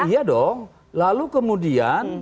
iya dong lalu kemudian